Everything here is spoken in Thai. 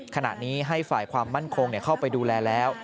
ขณะนี้ให้ฝ่ายความมั่นคงเข้าไปดูแลแล้ว